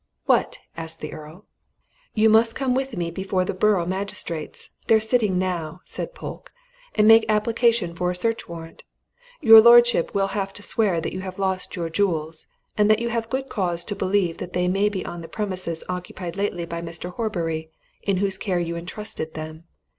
"What?" asked the Earl. "You must come with me before the borough magistrates they're sitting now," said Polke, "and make application for a search warrant. Your lordship will have to swear that you have lost your jewels, and that you have good cause to believe that they may be on the premises occupied lately by Mr. Horbury, to whose care you entrusted them.